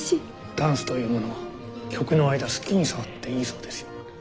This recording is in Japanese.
ダンスというものは曲の間好きに触っていいそうですよ。